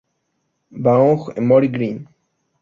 Vaughn H. Emory Green.